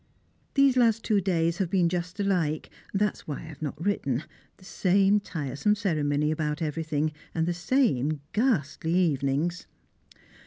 These last two days have been just alike, that is why I have not written the same tiresome ceremony about everything, and the same ghastly evenings.